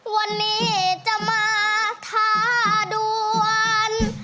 วันนี้จะมาทาดวน